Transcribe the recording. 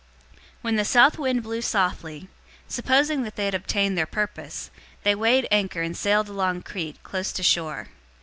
027:013 When the south wind blew softly, supposing that they had obtained their purpose, they weighed anchor and sailed along Crete, close to shore.